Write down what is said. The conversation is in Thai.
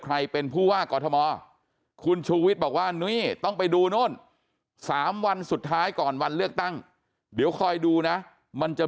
ใครเป็นผู้ว่ากอทมคุณชูวิสบอกว่านี่ต้องไปดูนู่น๓วัน